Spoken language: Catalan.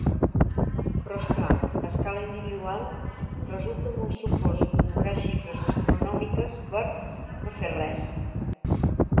Però, és clar, a escala individual, resulta molt sucós cobrar xifres astronòmiques per... no fer res.